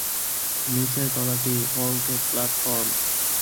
নিচের তলাটি vaulted platform.